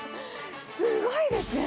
すごいですね。